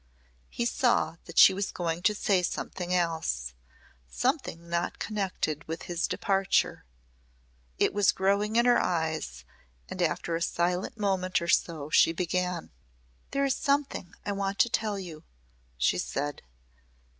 He saw that she was going to say something else something not connected with his departure. It was growing in her eyes and after a silent moment or so she began. "There is something I want to tell you," she said.